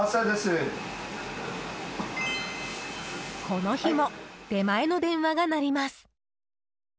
この日も出前の電話が鳴ります。